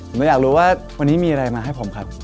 ผมอยากรู้ว่าวันนี้มีอะไรมาให้ผมครับ